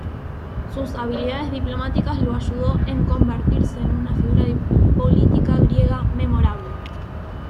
Sus habilidades diplomáticas lo ayudó en convertirse en una figura política griega memorable.